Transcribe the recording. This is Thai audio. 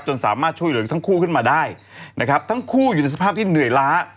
สามารถช่วยเหลือทั้งคู่ขึ้นมาได้นะครับทั้งคู่อยู่ในสภาพที่เหนื่อยล้า